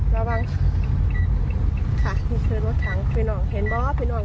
หูยหุดหลุนมากเลยพี่น้อง